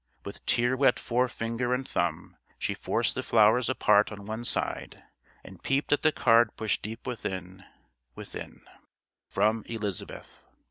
With tear wet forefinger and thumb she forced the flowers apart on one side and peeped at the card pushed deep within within "From Elizabeth."